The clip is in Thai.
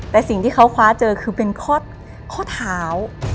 แต่สิ่งที่เขาคว้าเจอคือเป็นข้อเท้า